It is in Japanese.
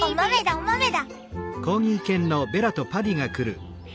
お豆だ！